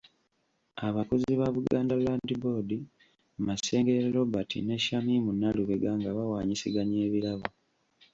Abakozi ba Buganda Land Board Masengere Robert ne Shamim Nalubega nga bawaanyisiganya ebirabo.